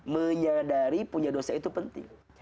menyadari punya dosa itu penting